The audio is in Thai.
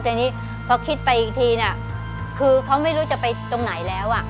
แต่นี่พอคิดไปอีกทีนี่คือเค้าไม่รู้จะไปตรงไหนแล้ว